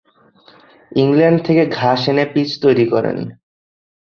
England থেকে ঘাস এনে পিচ তৈরি করেন।